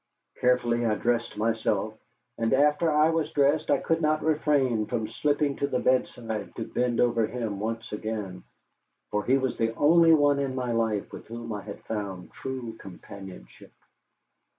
Carefully I dressed myself, and after I was dressed I could not refrain from slipping to the bedside to bend over him once again, for he was the only one in my life with whom I had found true companionship.